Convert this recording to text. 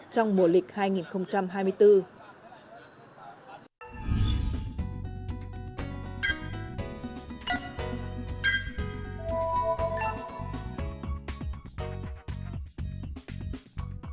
trong mùa lịch hai nghìn hai mươi bốn